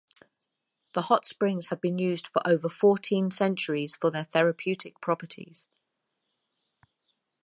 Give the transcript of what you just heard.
The hot springs have been used for over fourteen centuries for their therapeutic properties.